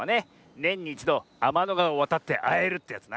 ねんに１どあまのがわをわたってあえるってやつな。